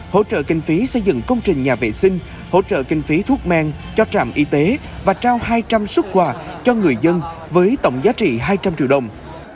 hỗ trợ kinh phí xây dựng công trình nhà vệ sinh hỗ trợ kinh phí thuốc men cho trạm y tế và trao hai trăm linh xuất quà cho người dân với tổng giá trị hai trăm linh triệu đồng